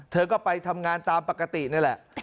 เธอก็ไปทำงานตามปกตินี่แหละ